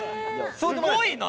すごいな。